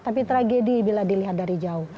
tapi tragedi bila dilihat dari jauh